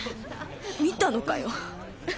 見たのかよ